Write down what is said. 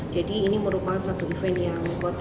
jadi ini merupakan satu event yang membuat kebanggaan